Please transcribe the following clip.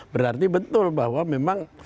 berarti betul bahwa memang